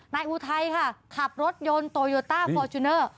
อุทัยค่ะขับรถยนต์โตโยต้าฟอร์จูเนอร์